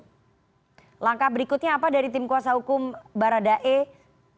langkah berikutnya apa dari tim kuasa hukum baradae